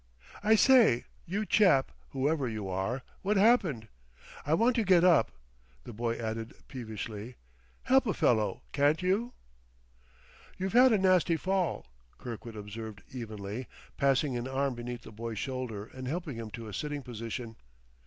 I say, you chap, whoever you are, what's happened?... I want to get up." The boy added peevishly: "Help a fellow, can't you?" "You've had a nasty fall," Kirkwood observed evenly, passing an arm beneath the boy's shoulder and helping him to a sitting position.